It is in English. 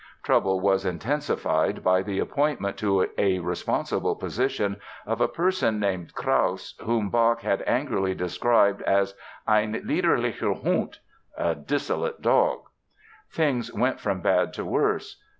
Trouble was intensified by the appointment to a responsible position of a person named Krause, whom Bach had angrily described as "ein liederlicher Hund" ("a dissolute dog"). Things went from bad to worse.